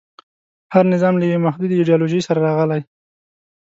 هر نظام له یوې محدودې ایډیالوژۍ سره راغلی.